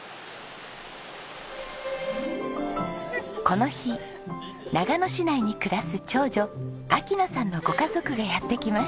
この日長野市内に暮らす長女秋奈さんのご家族がやって来ました。